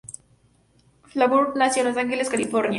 Balfour nació en Los Ángeles, California.